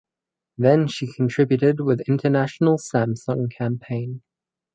Then she contributed with international Samsung campaign.